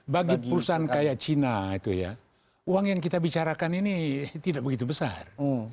bagi perusahaan kayak cina itu ya uang yang kita bicarakan ini tidak begitu besar